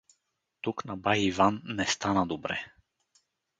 Тук на бай Иван не стана добре.